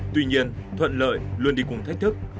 tuy nhiên thuận lợi luôn đi cùng thách thức